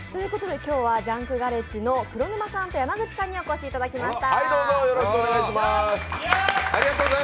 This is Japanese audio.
今日はジャンクガレッジの黒沼さんと山口さんにお越しいただきました。